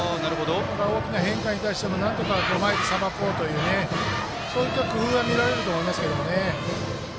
大きな変化に対してもなんとか前でさばこうというそういった工夫が見えると思います。